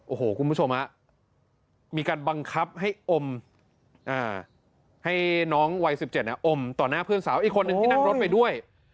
โอ้โหคุณผู้ชมมีการบังคับให้อมให้น้องวัย๑๗อมต่อหน้าเพื่อนสาวอีกคนนึงที่นั่งรถไปด้วย